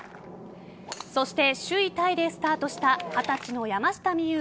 そして首位タイでスタートした二十歳の山下美夢